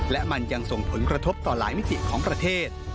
และมันยังส่งผลกระทบต่อหลายมิติของประเทศ